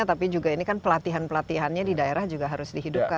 tapi juga ini kan pelatihan pelatihannya di daerah juga harus dihidupkan